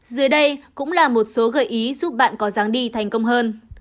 dưới đây cũng là một số gợi ý giúp bạn có dáng đi thành công hơn